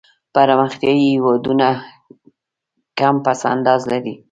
پرمختیایي هېوادونه کم پس انداز لري.